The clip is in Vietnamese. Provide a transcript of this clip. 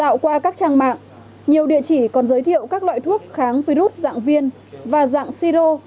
tạo qua các trang mạng nhiều địa chỉ còn giới thiệu các loại thuốc kháng virus dạng viên và dạng siro